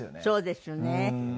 そうですよね。